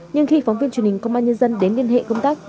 nhưng khi phóng viên truyền hình công an nhân dân đến liên hệ công tác